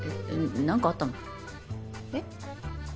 何かあったの？え？